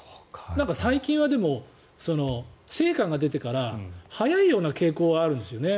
最近は成果が出てから早いような傾向はあるんですよね。